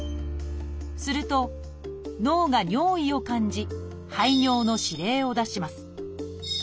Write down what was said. すると脳が尿意を感じ排尿の指令を出します。